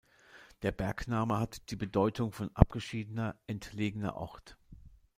Der Bergname hat die Bedeutung von "abgeschiedener, entlegener Ort".